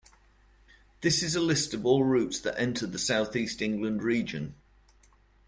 This is a list of all routes that enter the South East England region.